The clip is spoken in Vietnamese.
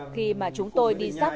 khi mà chúng tôi đi sắp